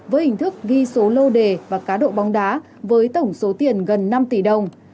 với hình thức ghi số lô đề và cá độ bóng đá với tổng số tiền gần năm tỷ đồng